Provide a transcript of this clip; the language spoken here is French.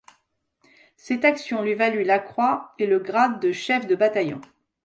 Cette action lui valut la croix et le grade de chef de bataillon.